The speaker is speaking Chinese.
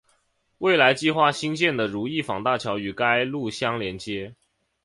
未来计划兴建的如意坊大桥与该路相连接。